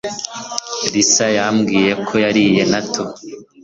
Lisa yambwiye ko yariye natto